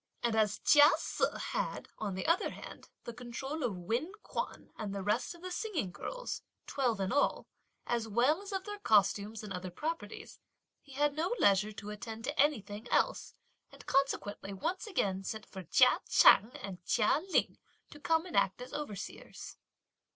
And as Chia Se had, on the other hand, the control of Wen Kuan and the rest of the singing girls, twelve in all, as well as of their costumes and other properties, he had no leisure to attend to anything else, and consequently once again sent for Chia Ch'ang and Chia Ling to come and act as overseers.